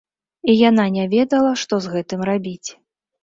І яна не ведала, што з гэтым рабіць.